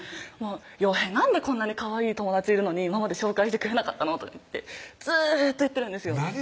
「ヨウヘイなんでこんなにかわいい友達いるのに今まで紹介してくれなかったの？」とか言ってずーっと言ってるんですよ何？